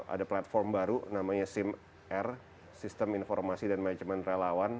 ada platform baru namanya simr sistem informasi dan manajemen relawan